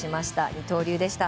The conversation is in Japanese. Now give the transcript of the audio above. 二刀流でした。